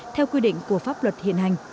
theo quy định của pháp luật hiện hành